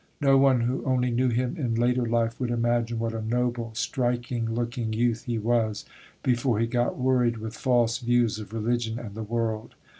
No one who only knew him in later life would imagine what a noble, striking looking youth he was before he got worried with false views of religion and the world.